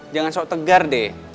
jangan sok tegar deh